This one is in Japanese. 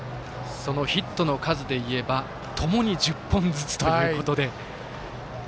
ヒットの数でいえばともに１０本ずつということで。